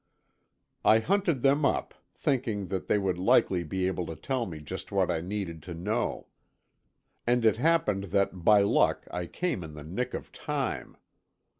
I hunted them up, thinking that they would likely be able to tell me just what I needed to know. And it happened that by luck I came in the nick of time.